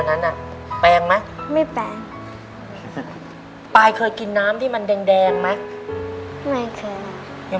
ในแคมเปญพิเศษเกมต่อชีวิตโรงเรียนของหนู